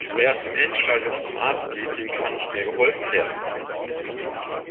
Wer erst im Endstadium zum Arzt geht, dem kann nicht mehr geholfen werden.